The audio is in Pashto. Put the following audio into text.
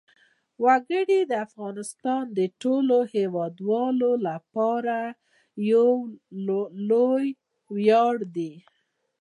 وګړي د افغانستان د ټولو هیوادوالو لپاره یو لوی ویاړ دی.